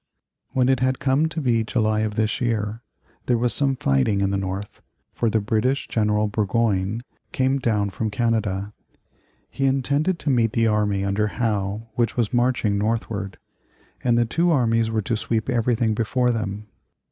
When it had come to be July of this year, there was some fighting in the North, for the British General Burgoyne came down from Canada. He intended to meet the army under Howe which was marching northward, and the two armies were to sweep everything before them.